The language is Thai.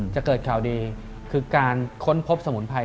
จะเกิดข่าวดีคือการค้นพบสมุนไพร